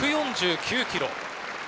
１４９キロ。